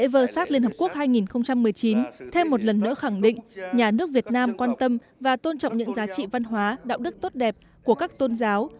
đại sát liên hợp quốc hai nghìn một mươi chín thêm một lần nữa khẳng định nhà nước việt nam quan tâm và tôn trọng những giá trị văn hóa đạo đức tốt đẹp của các tôn giáo